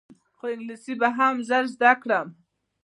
خو انګلیسي به هم ژر زده کړم.